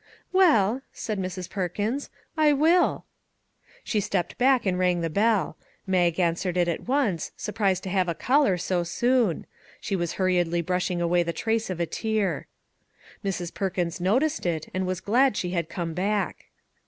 " Well," said Mrs. Perkins, " I will." She stepped back and rang the bell. Mag answered it at once, surprised to have a caller so soon. She was hurriedly brushing away the trace of a tear. Mrs. Perkins noticed it, and was glad she had come back.